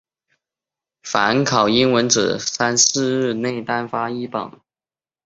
凡考英文者三四日内单发一榜。